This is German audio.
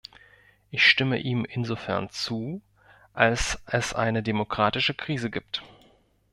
Ich stimme ihm insofern zu, als es eine demokratische Krise gibt.